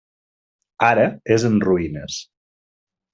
Ara és en ruïnes.